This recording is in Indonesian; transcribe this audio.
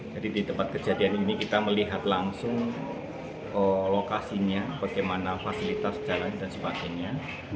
jadi di tempat kejadian ini kita melihat langsung lokasinya bagaimana fasilitas jalan dan sebagainya